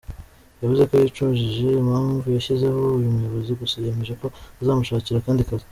Yavuze ko yicujije impamvu yashyizeho uyu muyobozi, gusa yemeje ko azamushakira akandi kazi.